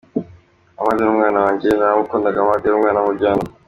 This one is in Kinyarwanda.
Hamad ni umwana wanjye, naramukundaga, Hamad yari umwana mu muryango.